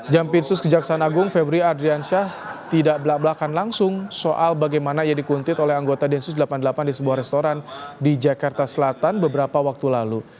jaminsus kejaksaan agung febri adriansyah tidak belak belakan langsung soal bagaimana ia dikuntit oleh anggota densus delapan puluh delapan di sebuah restoran di jakarta selatan beberapa waktu lalu